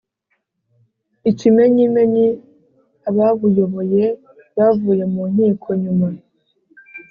ikimenyimenyi, ababuyoboye bavuye mu nkiko nyuma